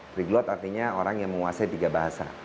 freeglot artinya orang yang menguasai tiga bahasa